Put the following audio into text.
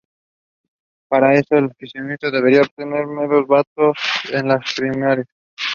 Para eso, el oficialismo debería obtener menos votos que en las primarias.